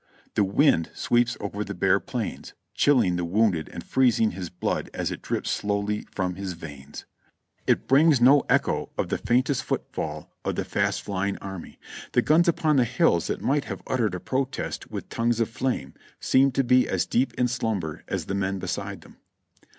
The w^nd sweeps over the bare plains, chilling the wounded and freezing his blood as it drips slowly from his veins; it brings no echo of the faintest FREDERICKSBURG 3I9 footfall of the fast flying army; the guns upon the hills that might have uttered a protest with tongues of flame seemed to be as deep in slumber as the men beside them.